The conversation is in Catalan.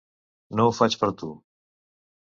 No ho faig per tu!